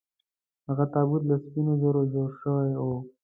هغه تابوت له سپینو زرو جوړ شوی و.